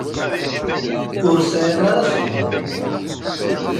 Ur sɛiɣ ara sebbaḍ.